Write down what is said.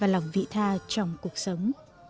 lòng vị tha trong cuộc sống